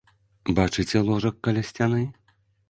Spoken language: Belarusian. Бачыце ложак каля сцяны?